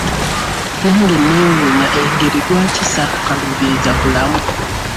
Nange neewuunya engeri lwaki saakukaluubiriza bulamu?